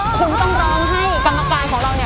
คุณกำลังให้กรรมการของเรา